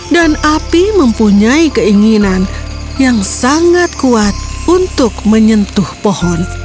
dan api mempunyai keinginan yang sangat kuat untuk menyentuh pohon